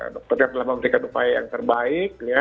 dokter yang telah memberikan upaya yang terbaik